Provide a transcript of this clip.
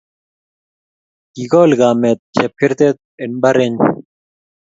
Kikol kamet chepkertet eng mbarenyi